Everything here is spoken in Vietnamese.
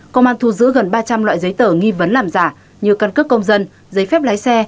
công an thu giữ gần ba trăm linh loại giấy tờ nghi vấn làm giả như căn cước công dân giấy phép lái xe